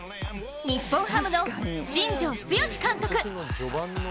日本ハムの新庄剛志監督。